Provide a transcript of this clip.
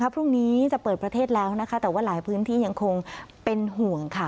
พรุ่งนี้จะเปิดประเทศแล้วนะคะแต่ว่าหลายพื้นที่ยังคงเป็นห่วงค่ะ